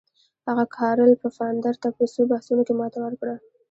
هغه کارل پفاندر ته په څو بحثونو کې ماته ورکړه.